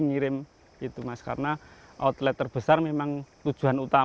anggapan semuanya dengan ulang di mata